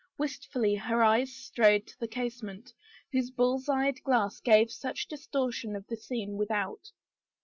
Wistfully her eyes strayed to the casement, whose buU's eyed glass gave such distortion of the scene without.